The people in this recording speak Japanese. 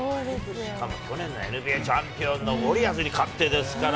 しかも去年のＮＢＡチャンピオンのウォリアーズに勝ってですから。